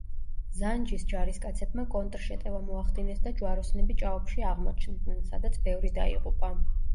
ზანჯის ჯარისკაცებმა კონტრშეტევა მოახდინეს და ჯვაროსნები ჭაობში აღმოჩნდნენ, სადაც ბევრი დაიღუპა.